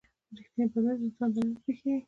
ریښتینی بدلون د انسان دننه پیښیږي.